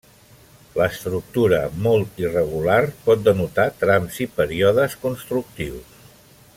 L'estructura molt irregular pot denotar trams i períodes constructius.